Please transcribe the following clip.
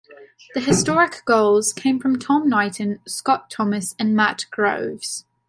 The historic goals came from Tom Knighton, Scott Thomas and Matt Groves.